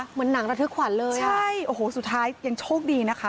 เหมือนหนังระทึกขวัญเลยใช่โอ้โหสุดท้ายยังโชคดีนะคะ